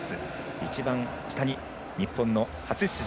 一番下に日本の初出場